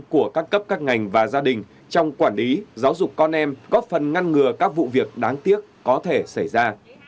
của các cấp các ngành và gia đình trong quản lý giáo dục con em góp phần ngăn ngừa các vụ việc đáng tiếc có thể xảy ra